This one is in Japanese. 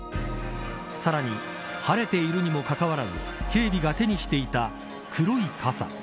さらに晴れているにもかかわらず警備が手にしていた黒い傘。